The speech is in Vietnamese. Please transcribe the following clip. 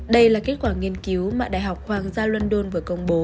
đây là kết quả nghiên cứu mà đại học hoàng gia london vừa công bố